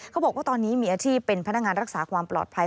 เขาบอกว่าตอนนี้มีอาชีพเป็นพนักงานรักษาความปลอดภัย